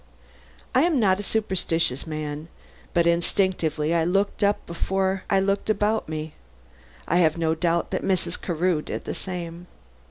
I am not a superstitious man, but instinctively I looked up before I looked about me. I have no doubt that Mrs. Carew did the same.